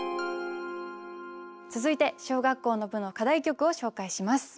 続いて小学校の部の課題曲を紹介します。